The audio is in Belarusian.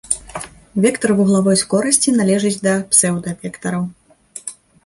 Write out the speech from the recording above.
Вектар вуглавой скорасці належыць да псеўдавектараў.